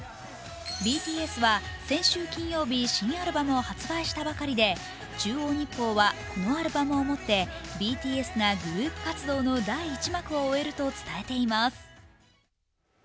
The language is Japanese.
ＢＴＳは先週金曜日新アルバムを発売したばかりで「中央日報」はこのアルバムをもってＢＴＳがグループ活動の第１幕を終えると伝えています。